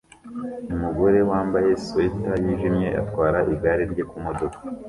Umugore wambaye swater yijimye atwara igare rye kumodoka